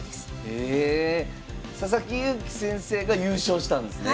え佐々木勇気先生が優勝したんですね。